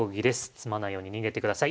詰まないように逃げてください。